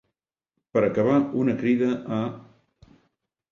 Per acabar, una crida a .